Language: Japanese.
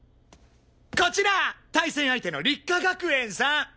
こちら対戦相手の六花学園さん。